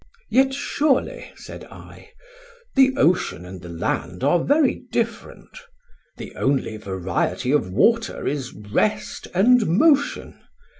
'Yet surely,' said I, 'the ocean and the land are very different. The only variety of water is rest and motion.